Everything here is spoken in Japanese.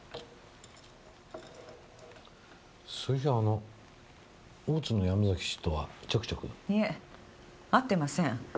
それじゃああの大津の山崎氏とはちょくちょく？いえ会ってません。